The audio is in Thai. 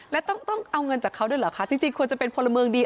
แล้วต้องเอาเงินจากเขาด้วยเหรอคะจริงควรจะเป็นพลเมืองดี